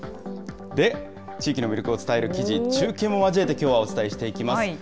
で、地域の魅力を伝える記事、中継も交えてきょうはお伝えしていきます。